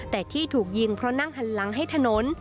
แต่ที่ถูกยิงเพราะนั่งหันหลังให้ถนน